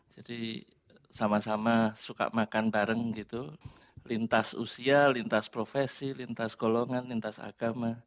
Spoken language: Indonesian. jadi sama sama suka makan bareng gitu lintas usia lintas profesi lintas golongan lintas agama